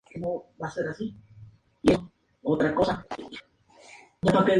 Su vida era sencilla, sin complicaciones.